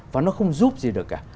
và nó không giúp gì được cả